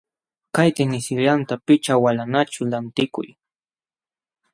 Kay tinisallanta pichqa walanqaćhu lantikuy.